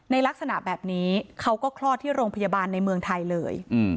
ลักษณะแบบนี้เขาก็คลอดที่โรงพยาบาลในเมืองไทยเลย